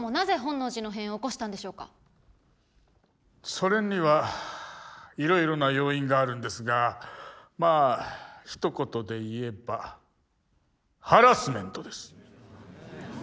それにはいろいろな要因があるんですがまあひと言で言えばハラスメントです。